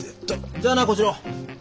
じゃあな小次郎！